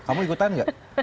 kamu ikutan gak